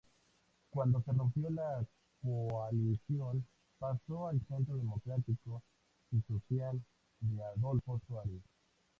Cuando se rompió la coalición, pasó al Centro Democrático y Social de Adolfo Suárez.